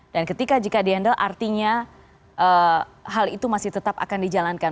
dan ketika jika di handle artinya hal itu masih tetap akan dijalankan